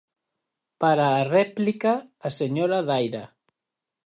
Para a réplica, a señora Daira.